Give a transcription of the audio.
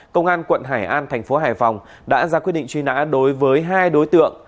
công an quận hải an tp hải phòng đã ra quyết định truy nã đối với hai đối tượng